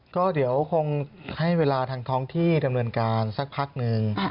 ก็เดี๋ยวคงให้เวลาทางท้องที่ดำเนินการสักพักหนึ่ง